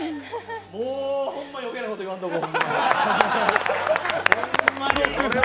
もうほんまに余計なこと言わんとこ。